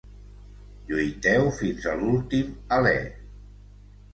Lluiteu fins a l'últim alè